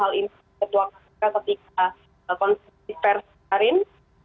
hal ini ketua kpk ketika konsentrasi persaharin